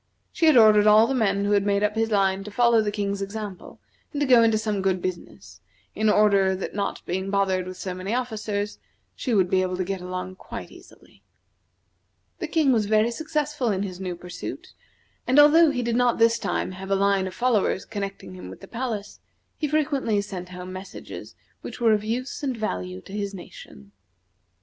She had ordered all the men who had made up his line to follow the King's example and to go into some good business; in order that not being bothered with so many officers, she would be able to get along quite easily. The King was very successful in his new pursuit, and although he did not this time have a line of followers connecting him with the palace, he frequently sent home messages which were of use and value to his nation.